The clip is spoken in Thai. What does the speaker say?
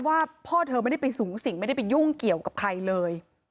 ว่าพ่อเธอไม่ได้ไปสูงสิ่งไม่ได้ไปยุ่งเกี่ยวกับใครเลย